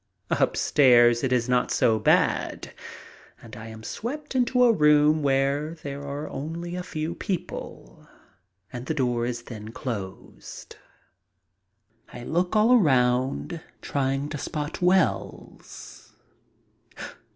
Upstairs it is not so bad, and I am swept into a room where there are only a few people, and the door is then closed. I look all around, trying to spot Wells.